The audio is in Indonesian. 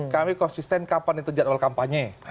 kami konsisten kapan itu jadwal kampanye